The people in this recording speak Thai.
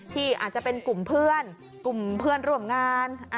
ที่อาจจะเป็นกลุ่มเพื่อนกลุ่มเพื่อนร่วมงาน